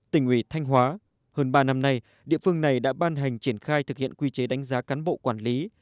tỉnh ủy thanh hóa hơn ba năm nay địa phương này đã ban hành triển khai thực hiện quy chế đánh giá cán bộ quản lý